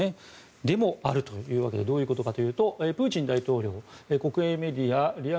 でも、あるというわけでどういうことかというとプーチン大統領国営メディアＲＩＡ